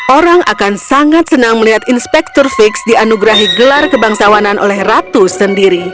orang akan sangat senang melihat inspektur fix dianugerahi gelar kebangsawanan oleh ratu sendiri